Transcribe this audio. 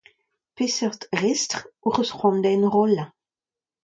Peseurt restr hocʼh eus cʼhoant da enrollañ ?